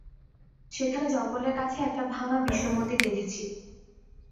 সেখানে জঙ্গলের কাছে একটা ভাঙ্গা বিষ্ণুমন্দির দেখেছি।